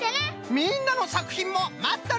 みんなのさくひんもまっとるぞい！